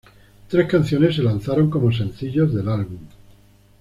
Tres canciones se lanzaron como sencillos del álbum.